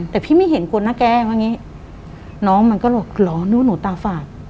แต่พี่ไม่เห็นคนนะแกว่างี้น้องมันก็บอกเหรอหนูตาฝาด